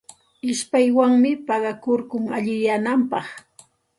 Ishpaywanmi paqakurkun allinyananpaq.